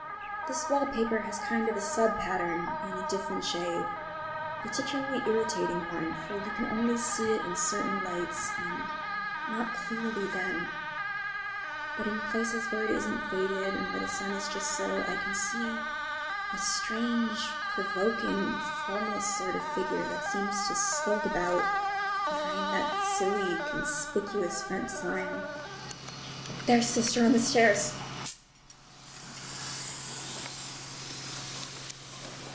This wallpaper has a kind of sub pattern in a different shade, a particularly irritating one, for you can only see it in certain lights, and not clearly then. But in the places where it isn't faded, and where the sun is just so, I can see a strange, provoking, formless sort of figure, that seems to sulk about behind that silly and conspicuous front design. There's sister on the stairs!